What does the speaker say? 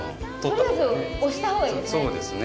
とりあえず押したほうがいいですね。